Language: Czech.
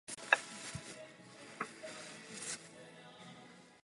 Na lodích či člunech se tak můžete pohybovat mezi oběma jezery.